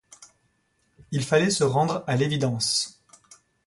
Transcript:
Il fallait se rendre à l’évidence.